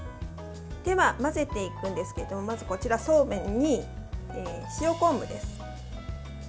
では、混ぜていくんですけどまず、そうめんに塩昆布です。